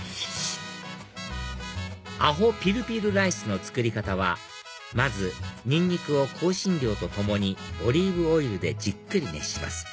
アホピルピルライスの作り方はまずニンニクを香辛料と共にオリーブオイルでじっくり熱します